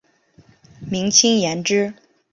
明清延之。